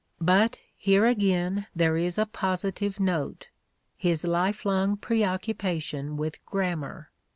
But here again there was a positive note — his lifelong pre occupation with grammar.